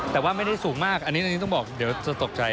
แต่ว่าไม่ได้สูงมากอันนี้ต้องบอกเดี๋ยวจะตกใจ